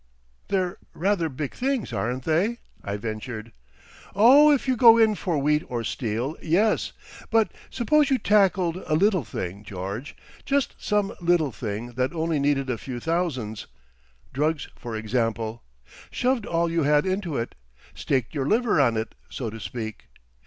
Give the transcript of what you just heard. "They're rather big things, aren't they?" I ventured. "Oh, if you go in for wheat or steel—yes. But suppose you tackled a little thing, George. Just some little thing that only needed a few thousands. Drugs for example. Shoved all you had into it—staked your liver on it, so to speak.